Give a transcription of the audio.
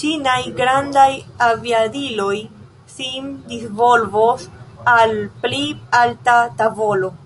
Ĉinaj grandaj aviadiloj sin disvolvos al pli alta tavolo.